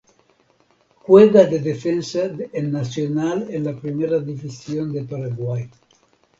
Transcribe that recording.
Juega de defensa en Nacional en la Primera División de Paraguay.